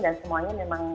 dan semuanya memang